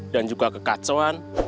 dan juga kekacauan